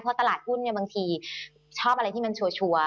เพราะตลาดหุ้นเนี่ยบางทีชอบอะไรที่มันชัวร์